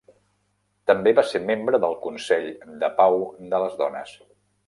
També va ser membre del Consell de pau de les dones.